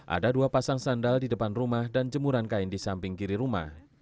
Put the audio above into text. ada dua pasang sandal di depan rumah dan jemuran kain di samping kiri rumah